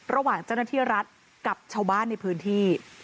ระหว่างเจ้าหน้าที่รัฐกับชาวบ้านในพื้นที่